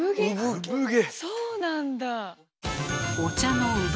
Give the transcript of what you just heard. そうなんだ。